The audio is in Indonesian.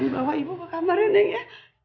bawa ibu ke kamar ya neng ya